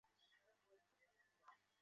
我怕会等很久